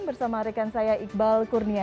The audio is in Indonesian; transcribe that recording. bersama rekan saya iqbal kurnia